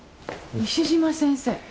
西島先生。